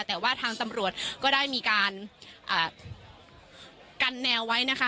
แต่ว่าทางตำรวจก็ได้มีการกันแนวไว้นะคะ